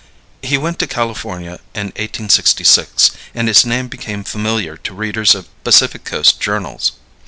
He went to California in 1866, and his name became familiar to readers of Pacific Coast journals.